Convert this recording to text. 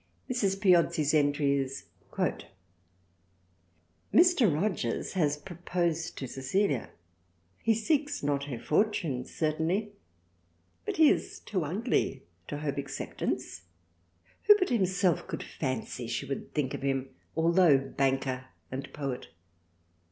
Mrs. Piozzi's entry is :—" Mr. Rogers has proposed to Cecilia, he seeks not her fortune certainly, but he is too ugly to hope acceptance, who but himself could fancy she would think of him ? Altho' Banker & Poet.